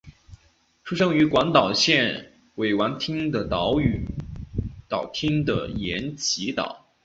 出生于广岛县尾丸町的岛岛町的岩崎岛。